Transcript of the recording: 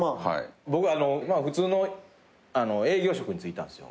僕普通の営業職に就いたんですよ。